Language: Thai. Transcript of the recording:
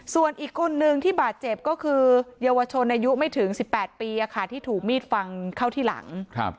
ส่วนอีกคนนึงที่บาดเจ็บก็คือเยาวชนอายุไม่ถึง๑๘ปีที่ถูกมีดฟันเข้าที่หลัง